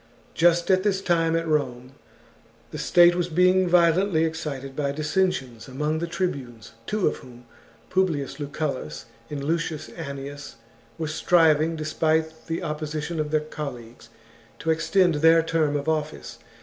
Just at this time at Rome the state was being vio chap. lently excited by dissensions among the tribunes, two of whom, Publius Lucullus, and Lucius Annius, were striving, despite the opposition of their colleagues, to extend their term of office.